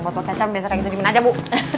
botol kecap biasa kayak gini aja bu